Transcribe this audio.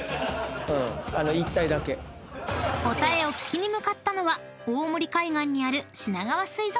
［答えを聞きに向かったのは大森海岸にある］